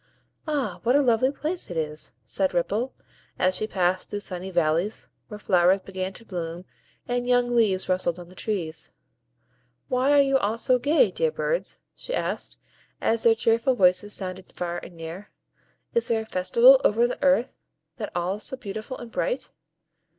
"Ah, what a lovely place it is!" said Ripple, as she passed through sunny valleys, where flowers began to bloom, and young leaves rustled on the trees. "Why are you all so gay, dear birds?" she asked, as their cheerful voices sounded far and near; "is there a festival over the earth, that all is so beautiful and bright?"